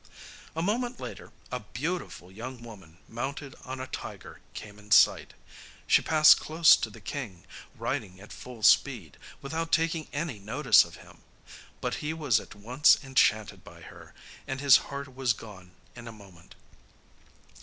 A moment later a beautiful young woman mounted on a tiger came in sight. She passed close to the king, riding at full speed, without taking any notice of him; but he was at once enchanted by her, and his heart was gone in a moment.